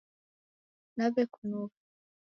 Naw'ekunugha